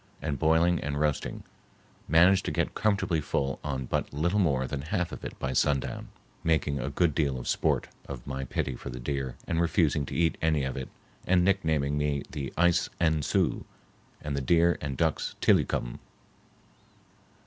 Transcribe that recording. and, boiling and roasting, managed to get comfortably full on but little more than half of it by sundown, making a good deal of sport of my pity for the deer and refusing to eat any of it and nicknaming me the ice ancou and the deer and duck's tillicum.